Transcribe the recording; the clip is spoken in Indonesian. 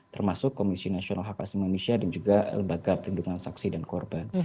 termasuk komisi nasional hak asli manusia dan juga lembaga perlindungan saksi dan korban